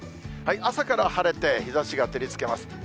朝から晴れて、日ざしが照りつけます。